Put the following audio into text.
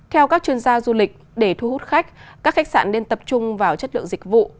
theo các chuyên gia du lịch để thu hút khách các khách sạn nên tập trung vào chất lượng dịch vụ